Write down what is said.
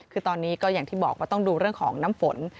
คือตอนนี้ก็อย่างที่บอกว่าต้องดูเรื่องของน้ำฝน